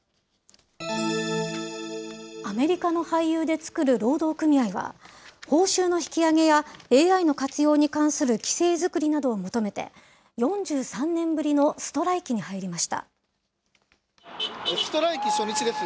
アメリカの俳優で作る労働組合は、報酬の引き上げや、ＡＩの活用に関する規制作りなどを求めて、４３年ぶりのストライストライキ初日です。